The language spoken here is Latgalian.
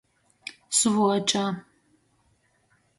Svuoča.